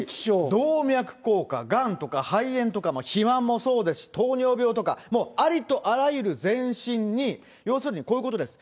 動脈硬化、がんとか肺炎とか、肥満もそうですし、糖尿病とか、ありとあらゆる全身に、要するにこういうことです。